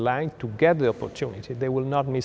là thông tin truyền thông tin